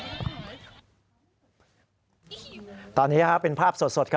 พระบุว่าจะมารับคนให้เดินทางเข้าไปในวัดพระธรรมกาลนะคะ